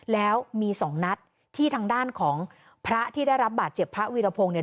แล้วมีสองนัดที่ทางด้านของพระที่ได้รับบาดเจ็บพระวีรพงศ์เนี่ย